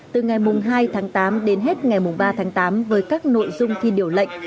từ ngày hai tháng tám đến hết ngày ba tháng tám với các nội dung thi điều lệnh